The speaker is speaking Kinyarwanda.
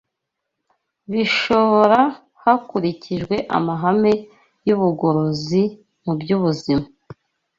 bishobora hakurikijwe amahame y’ubugorozi mu by’ubuzima